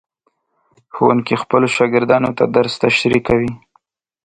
ښوونکي خپلو شاګردانو ته درس تشریح کوي.